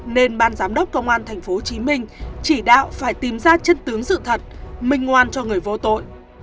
nên ban giám đốc công an tp hcm chỉ đạo phải tìm ra chân tướng sự thật minh ngoan cho người vô tội